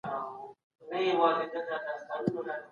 تاريخي فيلسوفان د پرمختګ په اړه څه وايي؟